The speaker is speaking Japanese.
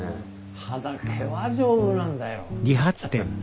歯だけは丈夫なんだよ。